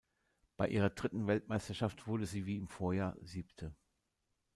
Bei ihrer dritten Weltmeisterschaft wurden sie, wie im Vorjahr, Siebte.